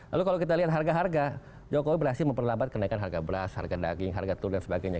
lalu kalau kita lihat harga harga jokowi berhasil memperlambat kenaikan harga beras harga daging harga telur dan sebagainya